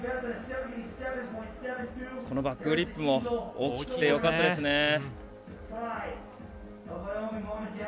バックフリップも大きくてよかったですね。